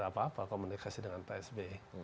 apa apa komunikasi dengan pak sb